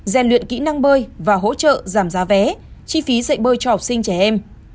gian luyện kỹ năng bơi và hỗ trợ giảm giá vé chi phí dạy bơi cho học sinh trẻ em